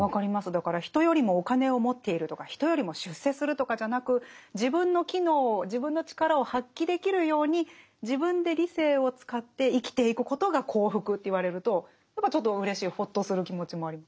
だから人よりもお金を持っているとか人よりも出世するとかじゃなく自分の機能自分の力を発揮できるように自分で理性を使って生きていくことが幸福と言われるとちょっとうれしいほっとする気持ちもあります。